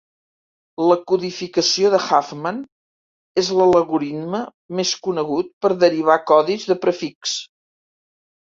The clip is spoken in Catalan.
La codificació de Huffman és l'algoritme més conegut per derivar codis de prefix.